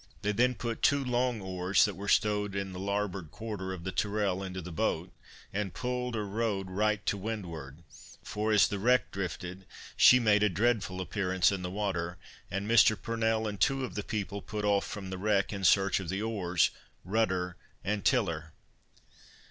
They then put two long oars that were stowed in the larboard quarter of the Tyrrel into the boat, and pulled or rowed right to windward; for, as the wreck drifted, she made a dreadful appearance in the water, and Mr. Purnell and two of the people put off from the wreck, in search of the oars, rudder and tiller.